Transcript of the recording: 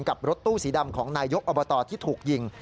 รถตู้สีดำของนายกอบตที่ถูกยิง